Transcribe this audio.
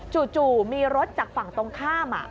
จู่มีรถจากฝั่งตรงข้าม